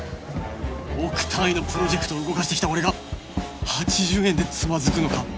億単位のプロジェクトを動かしてきた俺が８０円でつまずくのか